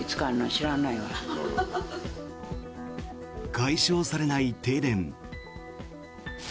解消されない停電。